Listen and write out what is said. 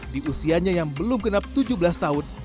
di usianya yang belum genap tujuh belas tahun